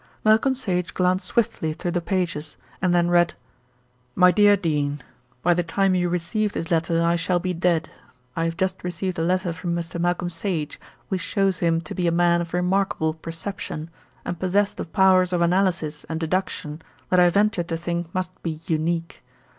Malcolm Sage glanced swiftly through the pages and then read: My Dear Dene, By the time you receive this letter I shall be dead. I have just received a letter from Mr. Malcolm Sage, which shows him to be a man of remarkable perception, and possessed of powers of analysis and deduction that I venture to think must be unique.